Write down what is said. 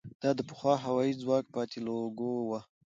دا د پخواني هوايي ځواک پاتې لوګو وه.